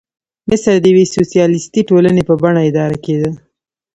مصر د یوې سوسیالیستي ټولنې په بڼه اداره کېده.